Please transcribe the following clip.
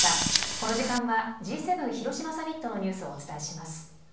この時間はＧ７広島サミットのニュースをお伝えします。